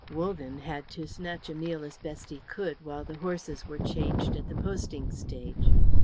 Wogan had to snatch a meal as best he could while the horses were changed at the posting stage.